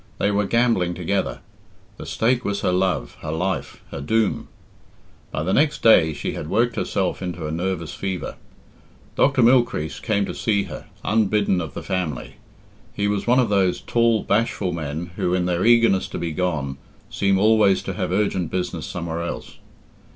They were gambling together. The stake was her love, her life, her doom. By the next day she had worked herself into a nervous fever. Dr. Mylechreest came to see her, unbidden of the family. He was one of those tall, bashful men who, in their eagerness to be gone, seem always to have urgent business somewhere else.